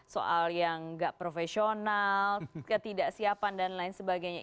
soal yang nggak profesional ketidaksiapan dan lain sebagainya